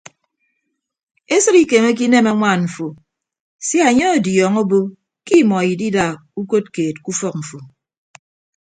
Esịd ikemeke inem añwaan mfo sia anye ọdiọñọ obo ke imọ idida ukod keed ke ufọk mfo.